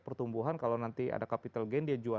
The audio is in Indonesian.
pertumbuhan kalau nanti ada capital gain dia jual